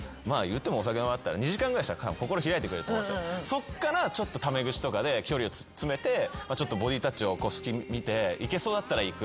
そっからちょっとタメ口とかで距離を詰めてちょっとボディータッチを隙見ていけそうだったらいく。